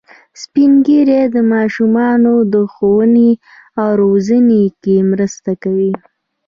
سپین ږیری د ماشومانو د ښوونې او روزنې کې مرسته کوي